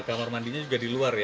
kamar mandinya juga di luar ya